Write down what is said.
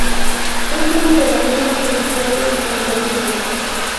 Es una de las lenguas oficiales en Bolivia